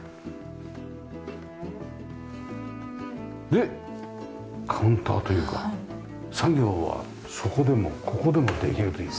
でカウンターというか作業はそこでもここでもできるという。